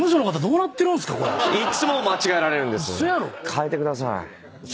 変えてください。